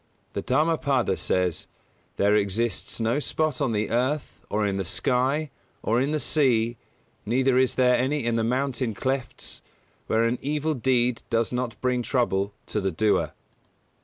The Dhammapada says: "There exists no spot on the earth, or in the sky, or in the sea, neither is there any in the mountain clefts, where an (evil) deed does not bring trouble (to the doer)."